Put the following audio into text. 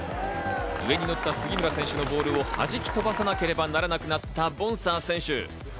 上にのった杉村選手のボールを弾き飛ばさなければならなくなったボンサー選手。